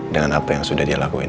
dengan apa yang sudah dia lakuin